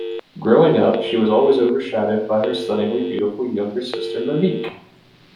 Growing up, she was always overshadowed by her stunningly beautiful younger sister Monique.